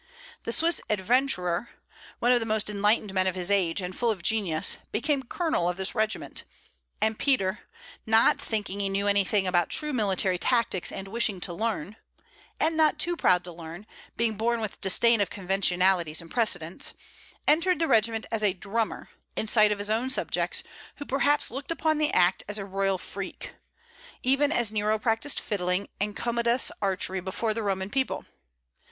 The Swiss "adventurer" one of the most enlightened men of his age, and full of genius became colonel of this regiment; and Peter, not thinking he knew anything about true military tactics, and wishing to learn, and not too proud to learn, being born with disdain of conventionalities and precedents, entered the regiment as drummer, in sight of his own subjects, who perhaps looked upon the act as a royal freak, even as Nero practised fiddling, and Commodus archery, before the Roman people.